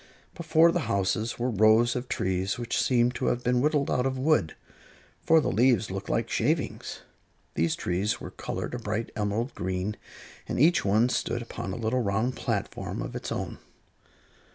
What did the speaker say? Before the houses were rows of trees which seemed to have been whittled out of wood, for the leaves looked like shavings. These trees were colored a bright emerald green, and each one stood upon a little round platform of its own.